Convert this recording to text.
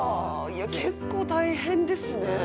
結構大変ですね。